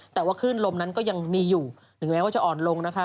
แต่ว่าคลื่นลมนั้นก็ยังมีอยู่ถึงแม้ว่าจะอ่อนลงนะคะ